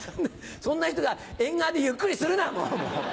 そんな人が縁側でゆっくりするなもう。